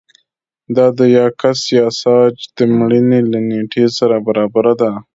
دا د یاکس یاساج د مړینې له نېټې سره برابره ده